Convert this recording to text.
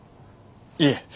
いえ。